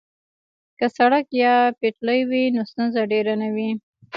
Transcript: که سړک یا پټلۍ وي نو ستونزه ډیره نه وي